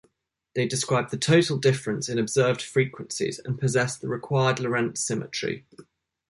They describe the total difference in observed frequencies and possess the required Lorentz symmetry.